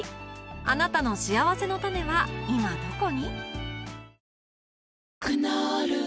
あなたのしあわせのたねは今どこに？